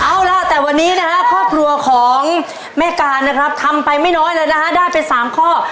เอาล่ะแต่วันนี้นะฮะครอบครัวของแม่การนะครับทำไปไม่น้อยเลยนะฮะได้ไป๓ข้อ